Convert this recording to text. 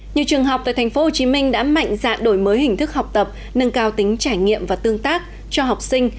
nhiều trường học tại tp hcm đã mạnh dạng đổi mới hình thức học tập nâng cao tính trải nghiệm và tương tác cho học sinh